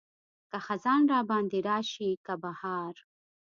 که خزان راباندې راشي که بهار.